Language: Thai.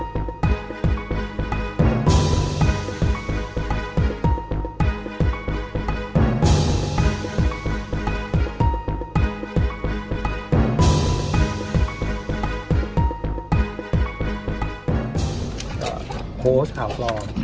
โพสต์ข่าวปลอม